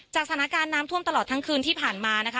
สถานการณ์น้ำท่วมตลอดทั้งคืนที่ผ่านมานะคะ